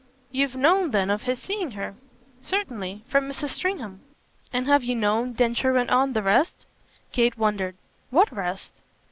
"You've known then of his seeing her?" "Certainly. From Mrs. Stringham." "And have you known," Densher went on, "the rest?" Kate wondered. "What rest?"